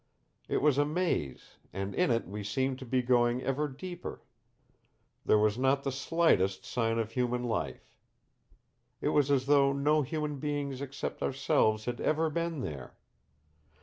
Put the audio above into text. "It was a maze, and in it we seemed to be going ever deeper. There was not the SLIGHTEST sign of human life. It was as though no human beings except ourselves had ever been there.